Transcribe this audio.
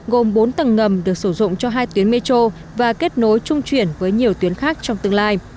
gồm bốn tầng ngầm được sử dụng cho hai tuyến metro và kết nối trung chuyển với nhiều tuyến khác trong tương lai